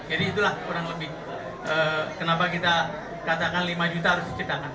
jadi itulah kurang lebih kenapa kita katakan lima juta harus diciptakan